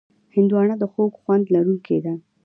هندوانه د خوږ خوند لرونکې ده.